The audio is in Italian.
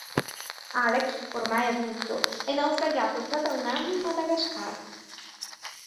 Alex, ormai adulto, è naufragato già da un anno in Madagascar.